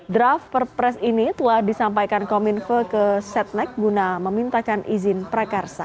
draft perpres ini telah disampaikan kominfo ke setnek guna memintakan izin prakarsa